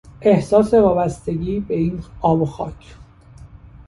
احساس وابستگی به این آب و خاک